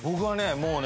もうね